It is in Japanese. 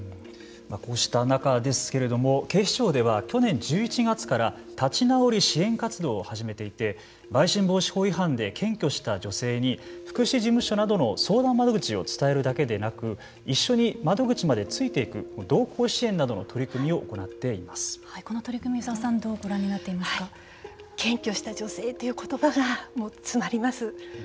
こうした中ですけれども警視庁では去年１１月から立ち直り支援活動を始めていて売春防止法違反で検挙した女性に福祉事務所などの相談窓口を伝えるだけでなく一緒に窓口までついていく同行支援などの取り組みを行ってこの取り組み湯澤さんはどうご覧になっていますか。検挙した女性ということばが詰まります。